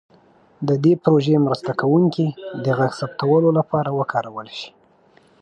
د دې پروژې مرسته کوونکي د غږ ثبتولو لپاره وکارول شي.